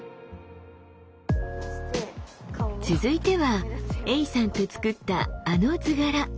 続いてはエイさんと作ったあの図柄。